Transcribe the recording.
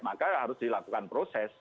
maka harus dilakukan proses